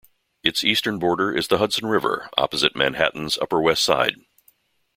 Its eastern border is the Hudson River, opposite Manhattan's Upper West Side.